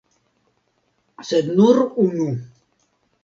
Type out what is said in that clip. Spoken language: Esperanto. Sed nur unu!